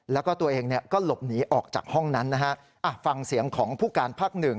แล้วก็ตัวเองเนี่ยก็หลบหนีออกจากห้องนั้นนะฮะฟังเสียงของผู้การภาคหนึ่ง